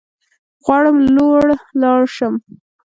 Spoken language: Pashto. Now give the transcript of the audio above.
غواړم لوړ لاړ شم